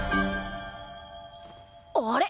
あれ？